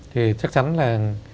thì chắc chắn là